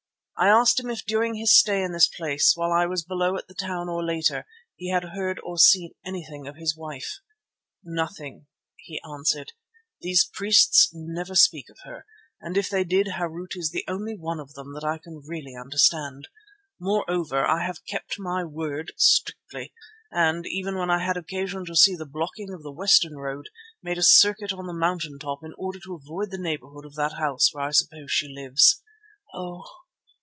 I asked him if during his stay in this place, while I was below at the town or later, he had heard or seen anything of his wife. "Nothing," he answered. "These priests never speak of her, and if they did Harût is the only one of them that I can really understand. Moreover, I have kept my word strictly and, even when I had occasion to see to the blocking of the western road, made a circuit on the mountain top in order to avoid the neighbourhood of that house where I suppose she lives. Oh!